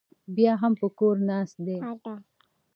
بیا هم په کور ناست دی